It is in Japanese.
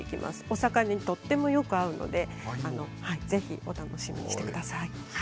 お魚にとても合うのでぜひお楽しみにしてください。